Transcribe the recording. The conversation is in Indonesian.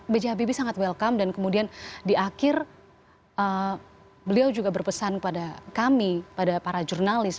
b j habibie sangat welcome dan kemudian di akhir beliau juga berpesan kepada kami pada para jurnalis